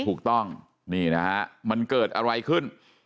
ถูกต้องนี่นะฮะมันเกิดอะไรขึ้น